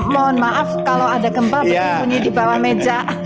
mohon maaf kalau ada gempa bersembunyi di bawah meja